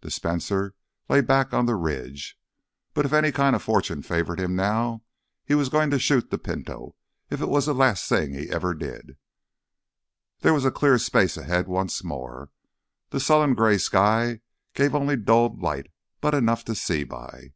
The Spencer lay back on the ridge. But if any kind of fortune favored him now, he was going to shoot the Pinto—if it was the last thing he ever did. There was a clear space ahead once more. The sullen gray sky gave only dulled light, but enough to see by.